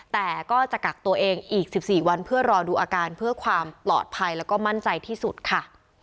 แต่ก็จะกักตัวเองอีก๑๔วันเพื่อรอดูอาการเพื่อความปลอดภัยแล้วก็มั่นใจที่สุดค่ะ